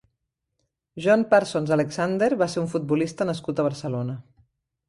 John Parsons Alexander va ser un futbolista nascut a Barcelona.